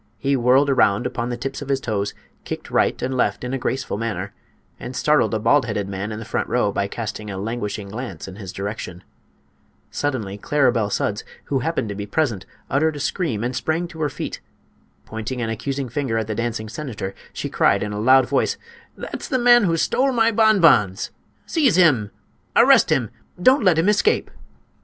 He whirled around upon the tips of his toes, kicked right and left in a graceful manner, and startled a bald headed man in the front row by casting a languishing glance in his direction. Suddenly Claribel Sudds, who happened to be present, uttered a scream and sprang to her feet. Pointing an accusing finger at the dancing senator, she cried in a loud voice: "That's the man who stole my bonbons! Seize him! Arrest him! Don't let him escape!"